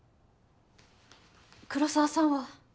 黒澤さんは？